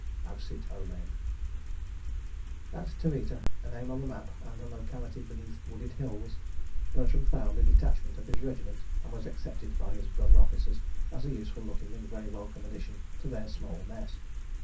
Absit omen. At Taveta, a name on a map and a locality beneath wooded hills, Bertram found a detachment of his regiment, and was accepted by his brother officers as a useful looking and very welcome addition to their small Mess.